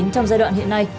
trong giai đoạn hiện nay